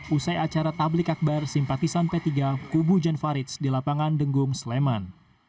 usai acara tablik akbar simpatisan p tiga kubu jan farids di lapangan denggung sleman